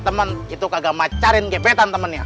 temen itu kagak macarin gebetan temennya